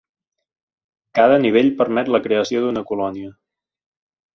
Cada nivell permet la creació d'una colònia.